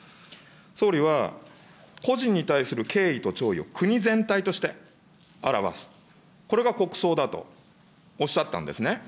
総理は、故人に対する敬意と弔意を国全体として表す、これが国葬だとおっしゃったんですね。